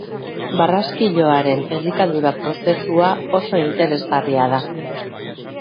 Barraskiloaren elikadura prozesua oso interesgarria da.